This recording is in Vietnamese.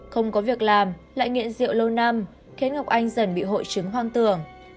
không có việc làm lại nghiện rượu lâu năm khiến ngọc anh dần bị hội chứng hoang tưởng